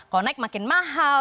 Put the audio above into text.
kalau naik makin mahal